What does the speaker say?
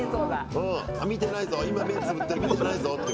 見てないぞ今目つぶってる、見てないぞって。